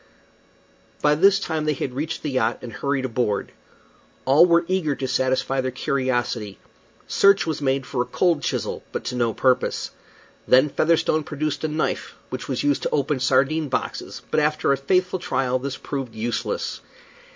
By this time they had reached the yacht and hurried aboard. All were eager to satisfy their curiosity. Search was made for a cold chisel, but to no purpose. Then Featherstone produced a knife which was used to open sardine boxes, but after a faithful trial this proved useless.